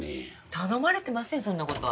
頼まれてませんそんなことは。